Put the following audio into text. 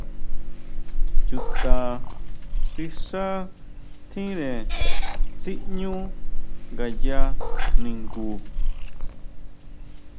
¿Chuta xi xá tjire siʼñu ngaya ningu.